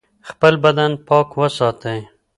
خپل بدن پاک وساتئ.